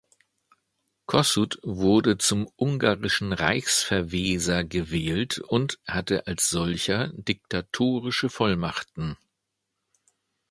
Kossuth wurde zum ungarischen Reichsverweser gewählt und hatte als solcher diktatorische Vollmachten.